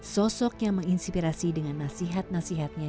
sosok yang menginspirasi dengan nasihat nasihatnya